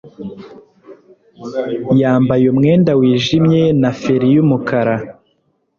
yambaye umwenda wijimye na feri yumukara